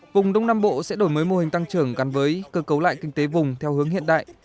vùng đông nam bộ sẽ đổi mới mô hình tăng trưởng gắn với cơ cấu lại kinh tế vùng theo hướng hiện đại